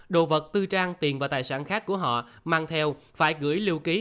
đồ vật tư trang tiền và tài sản khác của họ mang theo phải gửi lưu ký